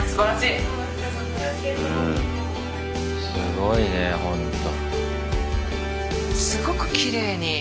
すごいねほんと。